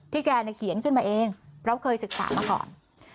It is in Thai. แกเขียนขึ้นมาเองเพราะเคยศึกษามาก่อน